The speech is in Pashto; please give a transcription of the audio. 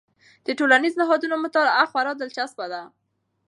د ټولنیزو نهادونو مطالعه خورا دلچسپ ده.